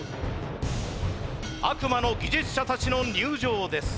悪魔の技術者たちの入場です。